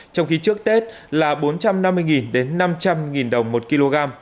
trong khi trước tết là bốn trăm năm mươi đến năm trăm linh đồng một kg